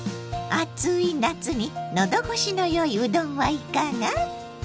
暑い夏に喉越しの良いうどんはいかが？